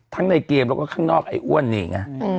ทั้งในเกมและข้างนอกไอ้อ้วนเอง